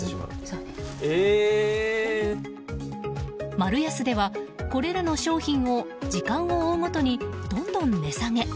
マルヤスでは、これらの商品を時間を追うごとにどんどん値下げ。